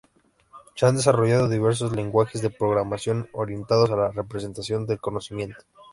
Se han desarrollado diversos lenguajes de programación orientados a la representación del conocimiento.